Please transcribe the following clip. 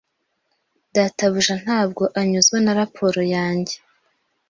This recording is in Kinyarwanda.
Databuja ntabwo anyuzwe na raporo yanjye.